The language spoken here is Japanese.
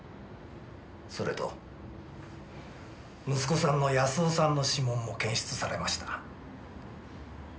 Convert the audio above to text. それと息子さんの康夫さんの指紋も検出されました。